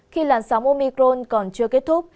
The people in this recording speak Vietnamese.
khi làn sóng omicron còn chưa kết thúc